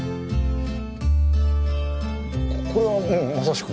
これはまさしく。